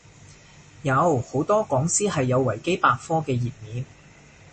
有，好多講師係有維基百科嘅頁面